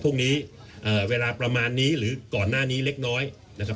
พวกนี้เวลาประมาณนี้หรือก่อนหน้านี้เล็กน้อยนะครับ